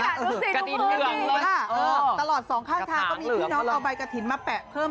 นี่ดูสิทุกคนตลอดสองข้างทางตอนนี้พี่น้องเอาใบกระถิ่นมาแปะเพิ่ม